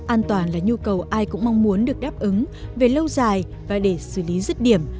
an toàn là nhu cầu ai cũng mong muốn được đáp ứng về lâu dài và để xử lý rứt điểm